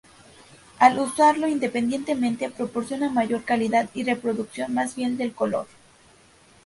Al usarlo independientemente, proporciona mayor calidad y reproducción más fiel del color.